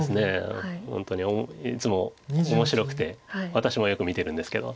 本当にいつも面白くて私もよく見てるんですけど。